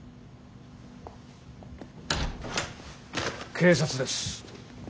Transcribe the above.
警察です。